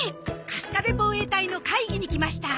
カスカベ防衛隊の会議に来ました。